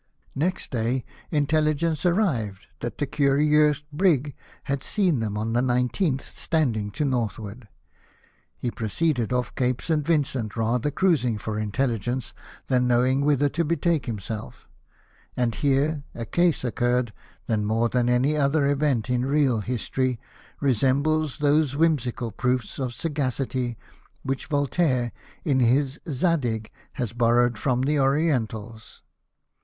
Next day intelligence arrived that the Curievx brig had seen them on the 19th, standing to the northward. He proceeded off Cape St. Vincent, rather cruising for intelligence than knowing whither to betake himself ; and here a case occurred that more than any other event in real history resembles those whimsical proofs of sagacity which Voltaire, in his " Zadig," has borrowed from the Orientals.